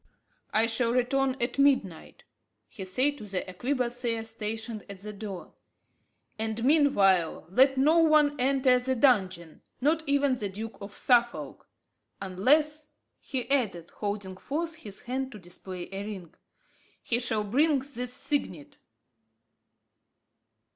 "I shall return at midnight," he said to the arquebusier stationed at the door; "and meanwhile let no one enter the dungeon not even the Duke of Suffolk unless," he added, holding forth his hand to display a ring, "he shall bring this signet."